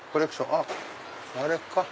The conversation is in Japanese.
あっあれか。